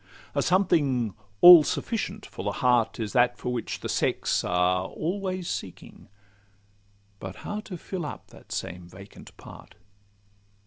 A something all sufficient for the heart Is that for which the sex are always seeking: But how to fill up that same vacant part?